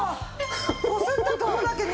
こすった所だけね